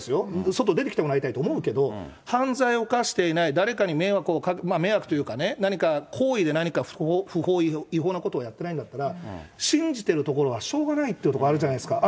外出てきてもらいたいと思うけど、犯罪を犯していない、誰かに迷惑を、迷惑というかね、何か行為で何か不法、違法なことをやっていないんだったら、信じてるところはしょうがないっていうところあるじゃないですか。